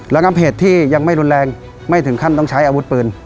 งับเหตุที่ยังไม่รุนแรงไม่ถึงขั้นต้องใช้อาวุธปืน